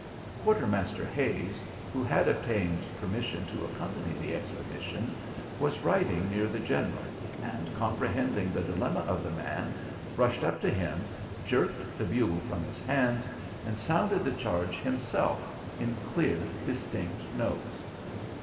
Quartermaster Hays who had obtained permission to accompany the expedition was riding near the General, and comprehending the dilemma of the man, rushed up to him, jerked the bugle from his hands, and sounded the charge himself in clear, distinct notes.